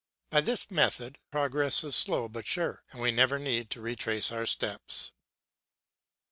By this method progress is slow but sure, and we never need to retrace our steps.